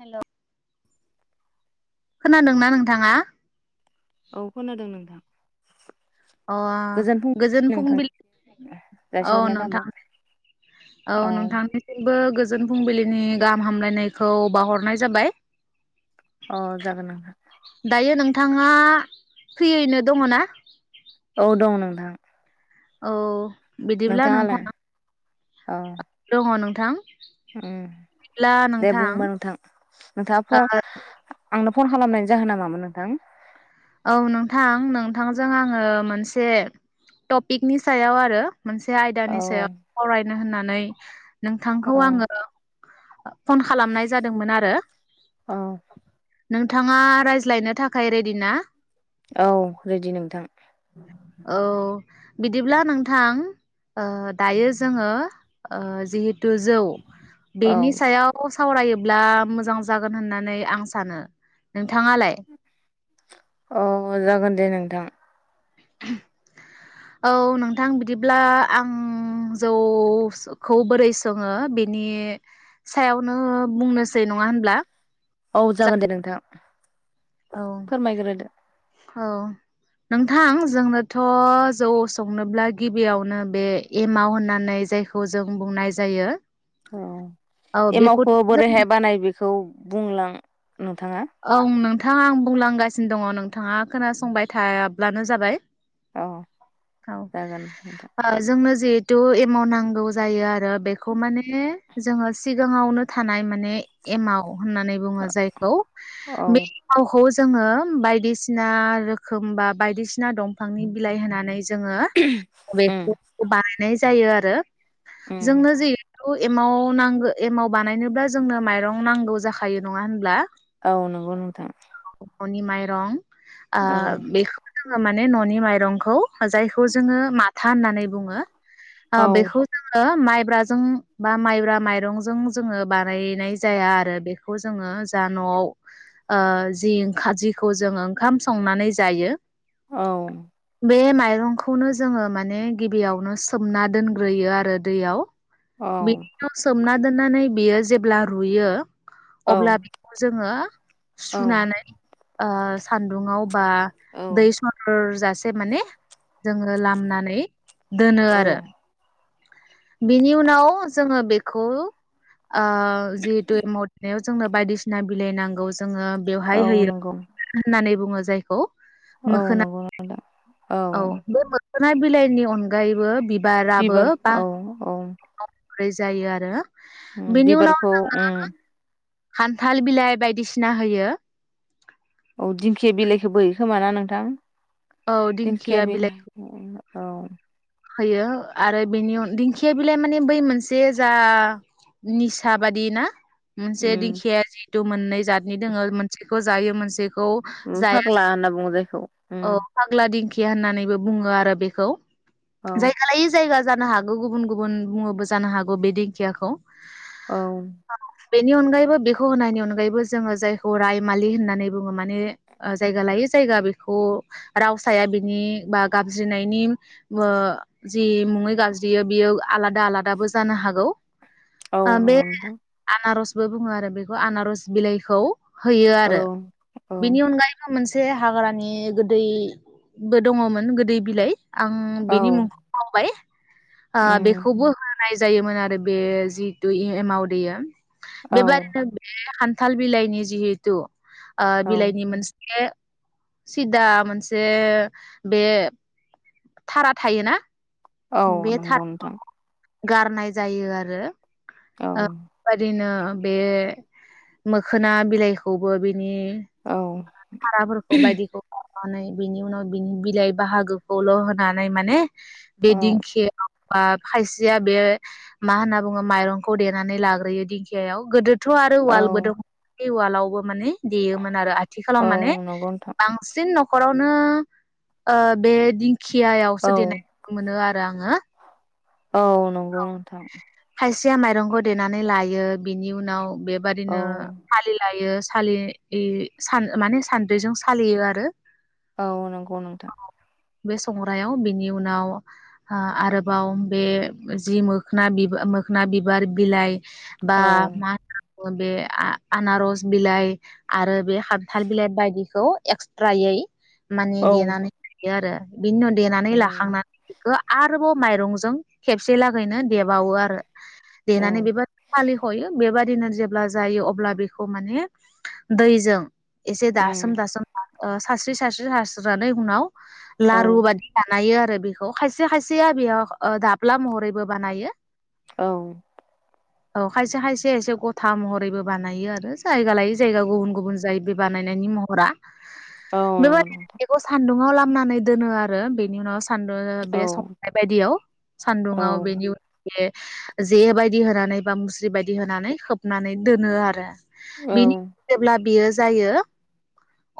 हेल' । खोनादोंना नोंथाङा? औ खोनादों नोंथां । अ गोजोन फुंबिलि, औ जासिहरनाय नोंथां थाबाय औ नोंथांनिसिमबो गो गोजोन फुंबिलिनि गाहाम हामलायनायखौ बावहरनाय जाबाय । अ जागोन नोंथां । नोंथाङा फ्रियैनो दङ ना? औ दं नोंथां । औ । बिदिब्ला नोंथाङा औ [inaudible] दङ नों थां । उम दे बुंबा नोंथां नोंथाङा फ आंनो फन खालामनायनि जाहोनआ मामोन नोंथां? औ नोंथां नोंथांजों आङो मोनसे टपिकनि सायाव आरो मोनसे औ आयदानि सायाव सावरायनो होनना नै औ नोंथांखौ आङो फन खालामनाय जादोंमोन आरो । औ । नोंथाङा रायज्लायनो थाखाय रेडि ना? औ रेडि नोंथां । औ । बिदिब्ला नोंथां ओ दायो जोङो ओ जिहे तु जौ औ बेनि सायाव - सावरायोब्ला मोजां जागोन होननानै आं सानो, नोंथाङालाय? अ जागोन दे नोंथां । औ नोंथां बिदिब्ला आं जौखौ बोरै सोङो बेनि सायावनो बुंनोसै नङा होनब्ला? औ जागोन दे नोंथां । औ फोरमायग्रोदो । औ नोंथां जोंनोथ जौ संनोब्ला गिबियावनो बे एमाव होननानै जायखौ जों बुंनाय जायो । औ एमावखौ जों बोरैहाय बानायो बेखौ बुंलां। नोंथाङा औ नो नोंथां आं बुंलांगासिनो दङ नोंथाङा खोनासंबाय थायाब्लानो जाबाय। औ। औ जागोन नोंथां ओ जोंनो जे। थु एमाउन्ट नांगौ जायो आरो। बेखौ माने। जोङो सिगाङावनो थानाय माने एमाव। होननानै बुङो जायखौ औ बै [unintelligible] जोङो बायदिसिना रोखोम बा बायदिसिना दंफांनि बिलाइ होनानै। जोङो [unintelligible] उम बानायनो। नाय जायो आरो। उम जोंनो जि। थु एमाव नांगौ एमाव बानायनोब्ला जोंनो माइरं नांगौ जाखायो नङा होनब्ला। औ नंगौ नोंथां। अननि माइरं। आ औ बेखौ‌ जोङो माने ननि माइरंखौ। ओ जायखौ जोङो माथा होननानै बुङो। आ औ बेखौ जोङो माइ। माइब्राजों बा माइब्रा माइरंजों जोङो बानायनाय जाया आरो बेखौ जोङो जा नआव ओ जि ओंखाम जिखौ जों ओंखाम संनानै जायो। औ। बे माइरंखौनो जोङो माने गिबियावनो सोमना दोनग्रोयो आरो दैयाव औ बेनिउनाव सोम हुमना दोन्नानै बियो जेब्ला रुयो। अब्ला बेखौ जोङो औ सुनानै ओ। सान सानदुंआव बा दै औ सरजासिम सेबनानै जोङो लामनानै। दोनो औ आरो। बिनि उनाव जोङो बेखौ। ओ जिहेथु मटनेस जोंनो बायदिसिना बिलाइ नांगौ जायो। जोङो बेवहाय औ होयो नंगौ होननानै बुङ बुङो जायखौ औ मोखोना नंगौ नोंथां औ ना बिलाइनि अनगायैबो बिबार बिबार औ औ ख्रि जायो आरो उम बेनि उनाव बिबारखौ उम खान्थाल बिलाइ बायदिसिना होयो औ दिंखिया बिलाइखौबो होयोखोमा ना नोंथां? दिंखिया बिलाइ उम औ होयो आरो बेनि अन दिंखिया बिलाइ माने बै मोनसे जा निसा बादि ना मोनसे उम दिंखिया जि तो मोननै जादनि दोङो मोनसेखौ जायो मोनसे अम फाग्ला होनना बुङो जायखौ औ उम फाग्ला दिंखि खिया होननानैबो बुङो आरो बेखौ औ जायगा लायै जायगा जानो हागौ गुबुन गुबुन बुङोबो जानो हागौ बे दिंखियाखौ औ बेनि अनगायैबो बेखौ होनायनि अनगायैबो जोङो जायखौ रायमालि होननानै बुङो माने जायगा लायो जायगा बे खौ रावसाया बिनि बा गाबज्रिनायनि बो जि मुङै गाबज्रियो बियो आलादा आलादाबो जानो हागौ औ नंगौ नोंथां बो बुङो आरो बेखौ आनारस बिलाइखौ होयो आरो औ औ बिनि अनगायैबो मोनस बे हाग्रानि बे गोदैबो दङमोन गोदै बिलाइ आं औ बेनि मुंखौ बावबाय आ उम बेखोबो होननाय जायोमोन आरो बे जितू एमाव देयो औ बेबादिनो बे थाल बिलाइनि जिहेथु आ औ बिलाइनि मोनसे सिदा मोनसे बे थारा थायोना औ बे थार नंगौ नोंथां। गारनाय जायो आरो औ ओ बादिनो बे मोखोना बिलाइखौबो बि नि औ हाराफोरखौ बायदिखौ अ' नै बिनि उनाव बिनि बिलाइ बाहागोखौल होनानै माने औ बेदिंखिआ आ खायसेया बे मा होनना बुङो माइरंखौ देनानै लाग्रोयो दिंखिया याव गोदो थ आरो औ वालबो दङ बे वालावबो माने देयोमोन आरो आथ ब्ला औ माने नंगौ नोंथां बांसि सिन न'खरावनो ओ बे दिं खियायावसो औ देरनाय मोनो आर दा आङो औ नंगौ नोंथां। थिया माइरंखौ देनानै लायो बिनि उनाव औ बेबादिनो फालि लायो। सालि इ सान माने सान्द्रिजों सालियो आरो औ नंगौ नोंथां। बे संग्रायाव बेनि उनाव आ आरोबाव बे जि मोखोना बिबा मोखोना बिबार बिलाइ बा औ मा होनो ओ बे आ-आनारस बिलाइ आरो बे हान्थाल बिलाइ बायदिखौ एक्सट्रायै मानि औ देनानै दि आरो बिनि उनाव देनानै उम लाखांनानै बेखो आरोबाव माइरंजों खेबसे लागैनो देबावो आरो औ देनानै बेबाद फालिखयो बेबाद दिना जेब्ला जायो अब्ला बेखौ माने दैजों एसे उम दासोम दासोम दा ओ सारस्रि सारस्रि सारस्रोनानै उनाव औ लारु बादि [inaudible] नायो आरो बेखौ खायसे खायसेया बेयाव ओ दाब ब्ला महरैबो बानायो। औ औ खायसे खायसे एसे गथा महरैबो बानायो आरो जायगा लायै जायगा गुबुन गुबुन जायो बे बानायनायनि महरा। औ नंगौ बेबादिनो नोंथां बेखौ सानदुं [unintelligible] लामनानै दोनो आरो बेनि उनाव सा [unintelligible] औ बे संनाय बायदियाव औ दुङाव बेनि उ [unintelligible] जे बादि होनानै बा मुस्रि बादि होनानै खोबनानै दोनो आरो। बिनि औ जेब्ला बियो जायो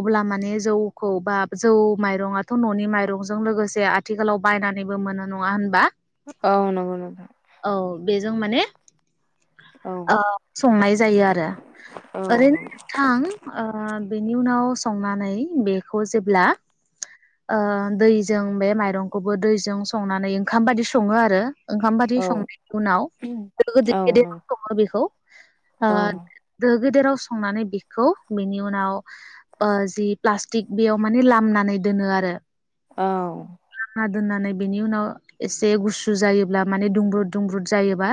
अब्ला माने जौखौ बा जौ माइरङाथ ननि माइरंजों लोगोसे आथिखालाव बायनानैबो मोनो नङा होनबा? औ नंगौ नोंथां। औ बेजों माने औ आ संनाय जायो आरो औ ओरैनो नंगौ नोंथां ओ बेनि उनाव संनानै बेखौ जेब्ला ओ दैजों बे माइरंखौबो दैजों संनानै ओंखाम बायदि स ङो आरो। ओंखाम बादि औ संनायनि उनाव औ नंगौ [inaudible] बेखौ आ दो गेदेराव संनानै बेखौ बेनि उनाव ओ जि प्लास्टिक बेयाव माने लामनानै दोनो आरो। औ दोननानै बेनि उनाव एसे गुसु जायोब्ला माने दुंब्रुद दुंब्रुद जायोबा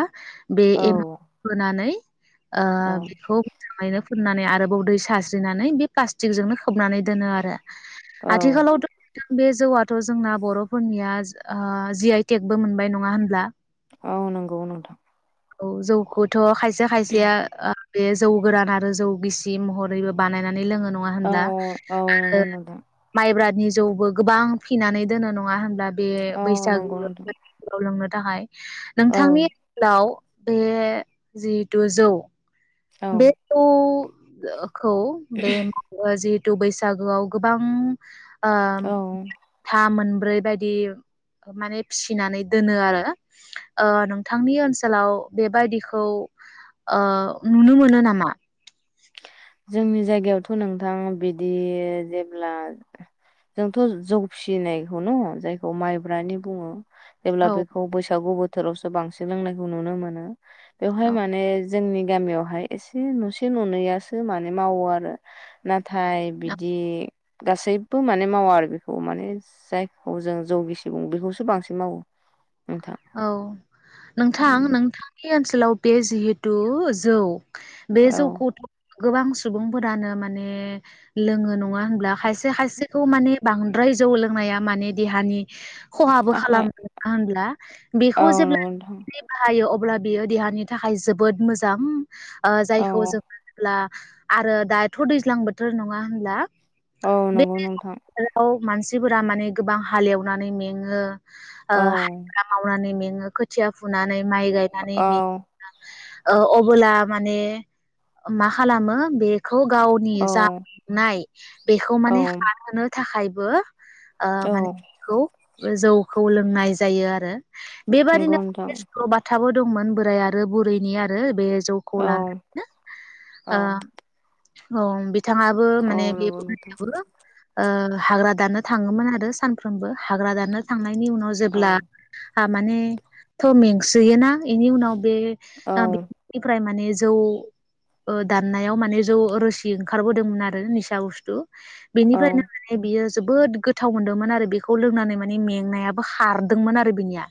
बे औ एमाव होनानै आ बेखौ मोजाङैनो फुननानै आरोबाव दै सास्रिनानै बे प्लास्टिकजोंनो खोबनानै दोनो आरो औ आथिखालावथ बे जौआथ जोंना बरफोरनिया आ जि आइ टेकबो मोनबाय नङा होनब्ला? औ नंगौ नोंथां। औ जौखौथ खाय से खायसेया बे जौ गोरान आरो जौ गिसि महरैबो बानायना नै लोङो नङा औ होनब्ला औ आरो नंगौ नोंथां माइब्रानि जौबो गोबां फिनानै दोनो नङा होनब्ला बे औ बैसागो नंगौ नोंथां आव लोंनो थाखाय। औ नोंथांनि ओ सोलाव बे जिहेथु जौ औ बे जौखौ बे [unintelligible] थु बैसागोआव गोबां औ था मोन ब्रैबायदि माने फिसिनानै दोनो आरो ओ नोंथांनि ओनसोलाव बेबायदिखौ ओ नुनो मोनो नामा? जोंनि जायगायावथ' नोंथां बिदि जेब्ला जोंथ' जौ फिसिनायखौ न जायखौ माइब्रानि बुङो। जेब्ला औ बेखौ बैसागु बो थोरावसो बांसिन लोंनायखौ नुनो मोनो। बेवहाय औ माने जोंनि गामियावहाय एसे नसे ननैया सो मने मावो आरो। थाय बिदि गासैबो माने मावा आरो बेखौ माने जायखौ जों जौगिसि बुङो बेखौसो बांसिन मावो। नोंथां औ नोंथां नोंथांनि ओनसो सोलाव बे जिहेतु जौ बे जौ औ खौथ' गोबां सुबुंफोरानो माने लोङो नङा होनब्ला खायसे से हायसेखौ माने बांद्राय जौ लोंनाया माने देहानि खहाबो थाखाय खालामो नोंथां। होनब्ला औ बेखौ जेब्ला नंगौ नोंथां [inaudible] बाहायो अ ब्ला बियो देहानि थाखाय जोबोद मोजां। ओ औ जायखौ जों होनोब्ला आरो दाथ‌' दैज्लां बोथोर नङा होनब्ला? औ बे नंगौ नोंथां। बोथोराव मानसिफोरा माने गोबां हालेवनानै मेङो ओ औ हाजिरा मावनानै में ङो‌ खोथिया फुनानै माइ गायनानै औ मेङो औ अबोला माने मा खालामो बे खौ गावनि औ जा [unintelligible] नाय बेखौ औ माने हानहोनो थाखाय बो ओ माने औ बिखौ जौखौ लों नाय जायो आरो नंगौ बेबायदिनो नोंथां बेस्थ बाथाय थाबो दंमोन बोराय आरो बुरैनि आरो बे जौखौ औ लानानैनो औ ओ औ बि बिथांङाबो औ माने बे नंगौ नोंथां [unintelligible] रो ओ हाग्रा दाननो थाङोमोन आरो सानफ्रोमबो हाग्रा दाननो थांनायनि उनाव औ जेब्ला थामाने थ मेंसोयोना बेनि उनाव औ बे-बेनिफ्राय माने जौ ओ दाननायाव माने जौ रोसि ओंखारबोदोंमोन आरो निसा बुस्थु औ बेनिफ्रायनो माने बियो जोबोद गोथाव मोन्दोंमोन आरो बेखौ लोंनानै माने मेंनायाबो खारदोंमोन आरो बिनिया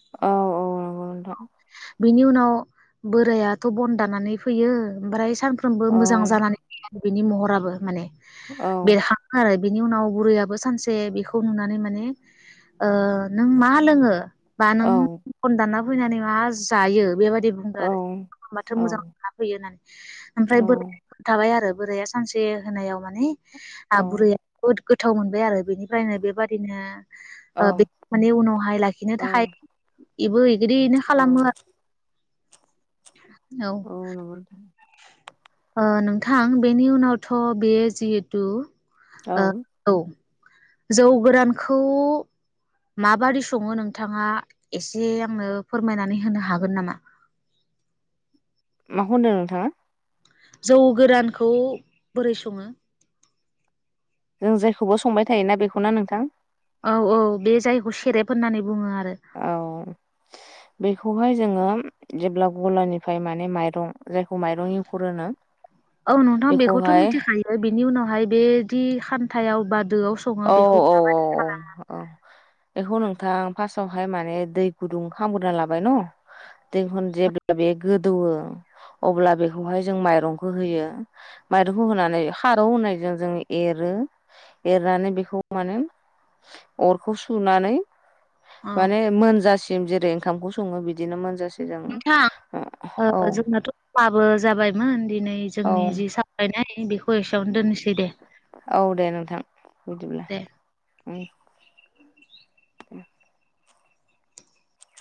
अ नोंथां बिनि उनाव बोरायाथ बन दाननानै फैयो ओमफ्राय सानफ्राम औ सानफ्रोमबो मोजां जानानै फैयो। बिनि महराबो माने औ बेरहां आरो बिनि उनाव बुरैयाबो सानसे बेखौ नुनानै माने ओ नों मा लोङो बा औ नों बन दानना फैनानै मा जायो बेबायदि बुंदों औ आरो ओमबाथ औ मोजां मोनना फैयो होननानै ओमफ्राय बोरै थाबाय आरो बोराया सानसे होनायाव माने आ औ बुरैया गोथाव मोनबाय आरो बेनिफ्रायनो बेबादिनो औ बे माने उनावहाय लाखिनो थाखाय इबो बिदिनो औ खालामो आरो [unintelligible] नंगौ औ। नोंथां बेनि उनावथ बेयो जिहेथु। औ आ औ। जौ गोरानखौ माबादि सङो नोंथाङा एसे आंनो फोरमायनानै होनो हागोन नामा? माखौ होन्दों नोंथाङा? जौ गोरानखौ बोरै सङो? जों जेखौबो संबाय थायोना बेखौना नोंथां। औ औ बे जायगखौ सेरेब होननानै बुङो आरो। [unintelligible] औ बेखौहाय जोङो जेब्ला गलानिफ्राय माने माइरं जायखौ माइरं एंखुर होनो। औ नोंथां बेखौथ बेखौहाय मिथिखायो बिनि उनावहाय बेदि। थायाव बाद। दोआव सङो औ बेखौ औ माबायदि खालामो? औ औ बेखौ नोंथां फार्स्टावहाय माने दै गुदुं खामग्रोना लाबाय न दै जेब्ला बे गोदौवो अब्ला बेखौहाय जों माइरंखौ होयो माइरंखौ होनानै खारौ होननाय जो जों एरो एरनानै बेखौ माने अरखौ सुनानै माने नोंथां मोनजासि सिम जेरै ओंखामखौ सङो बिदिनो मोनजासि जों ओ औ। समाबो जाबायमोन। दिनै औ जोंनि जि [unintelligible] [inaudible] दोननोसै दे औ दे नोंथां बिदिब्ला दे। उम। उम।